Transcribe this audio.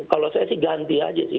kalau saya sih ganti aja sih